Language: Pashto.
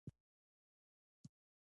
د درې ورځو وروسته ډوډۍ چڼېسه نیسي